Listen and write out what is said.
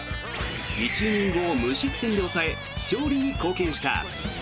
１イニングを無失点で抑え勝利に貢献した。